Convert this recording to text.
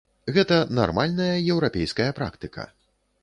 Гэта нармальная еўрапейская практыка.